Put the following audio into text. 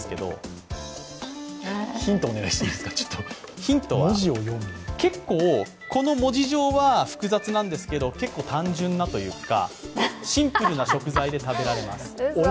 ヒントは、文字上は複雑なんですけど単純なというかシンプルな食材で食べられます。